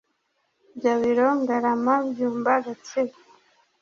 Gabiro Ngarama Byumba Gatsibo